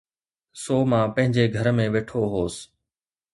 سو مان پنهنجي گهر ۾ ويٺو هوس.